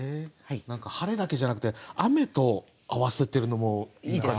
晴れだけじゃなくて雨と合わせてるのもいい感じですね。